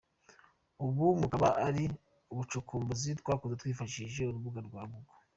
Ubu bukaba ari ubucukumbuzi twakoze twifashishije urubuga rwa Google.